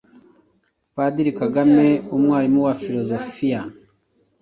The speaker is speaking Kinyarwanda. Padiri Alexis Kagame, umwalimu wa Filozofiya,